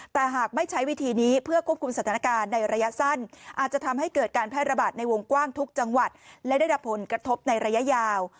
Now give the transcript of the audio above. แต่หากไม่ใช้วิธีนี้เพื่อควบคุมสถานการณ์ในระยะสั้นอาจจะทำให้เกิดการแพร่ระบาดในวงกว้างทุกจังหวัดและได้รับผลกระทบในระยะยาว